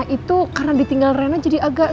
itu karena ditinggal rena jadi agak